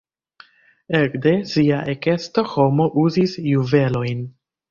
Ekde sia ekesto homo uzis juvelojn.